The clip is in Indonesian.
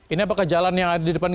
ini apakah jalan yang ada di depan